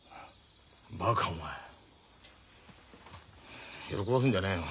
バカお前喜ばすんじゃねえよ。